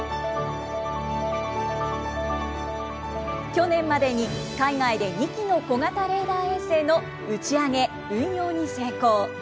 去年までに海外で２機の小型レーダー衛星の打ち上げ・運用に成功。